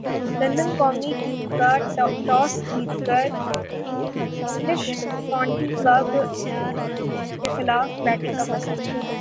London قومی team کا toss جیت کر انگلش کانٹی کلب کیخلاف بیٹنگ کا فیصلہ